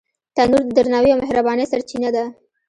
تنور د درناوي او مهربانۍ سرچینه ده